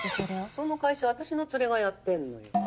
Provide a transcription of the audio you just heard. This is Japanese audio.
その会社私のツレがやってんのよ。